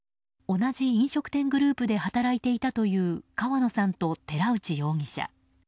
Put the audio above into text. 同じ飲食店グループで働いていたという川野さんと寺内容疑者。